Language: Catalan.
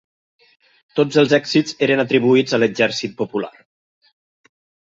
Tots els èxits eren atribuïts a l'Exèrcit Popular